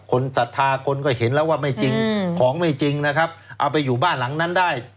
ศรัทธาคนก็เห็นแล้วว่าไม่จริงของไม่จริงนะครับเอาไปอยู่บ้านหลังนั้นได้